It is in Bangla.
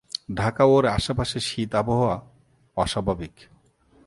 ঢাকা ও এর আশেপাশে শীত আবহাওয়া অস্বাভাবিক।